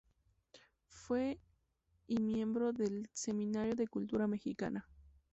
Fue y miembro del Seminario de Cultura Mexicana.